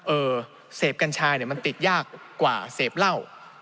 เออเสพกัญชาเนี่ยมันติดยากกว่าเสพเหล้า